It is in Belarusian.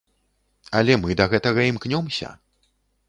Але мы да гэтага імкнёмся!